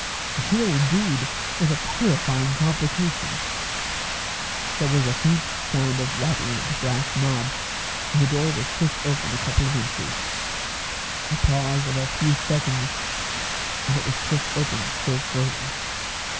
Here indeed was a terrifying complication! There was a faint sound of rattling at the brass knob, and the door was pushed open a couple of inches. A pause of a few seconds, and it was pushed open still further.